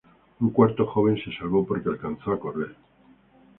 Un cuarto joven se salvó porque alcanzó a correr.